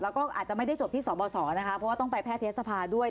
แล้วก็อาจจะไม่ได้จบที่สบสนะคะเพราะว่าต้องไปแพทยศภาด้วย